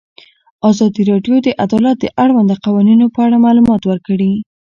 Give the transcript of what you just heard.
ازادي راډیو د عدالت د اړونده قوانینو په اړه معلومات ورکړي.